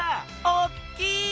おっきい！